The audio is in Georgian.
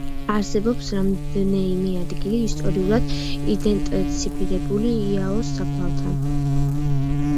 არსებობს რამდნეიმე ადგილი, ისტორიულად იდენტიფიცირებული იაოს საფლავთან.